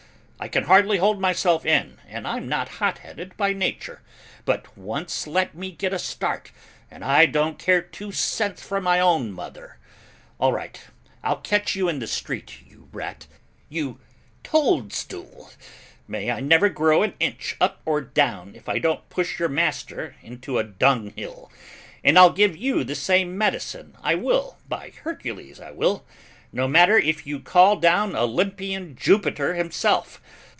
I can hardly hold myself in and I'm not hot headed by nature, but once let me get a start and I don't care two cents for my own mother. All right, I'll catch you in the street, you rat, you toadstool. May I never grow an inch up or down if I don't push your master into a dunghill, and I'll give you the same medicine, I will, by Hercules, I will, no matter if you call down Olympian Jupiter himself!